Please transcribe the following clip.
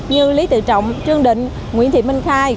như lý tự trọng trương định nguyễn thị minh khai